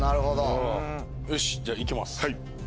よし！じゃ行きます。